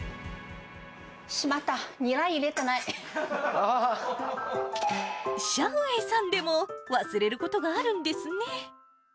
しまった、シャウ・ウェイさんでも忘れることがあるんですね。